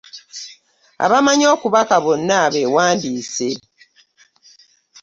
Abamanyi okubaka bonna beewandiise.